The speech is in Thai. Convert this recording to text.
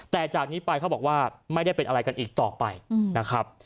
แต่จากนี้ไปเขาบอกว่าไม่ได้เป็นอะไรกันอีกต่อไปนะครับ